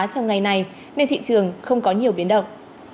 trong ngày này nên thị trường không có nhiều biến động